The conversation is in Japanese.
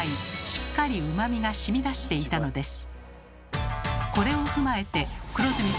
しっかりうまみがしみ出していたのです。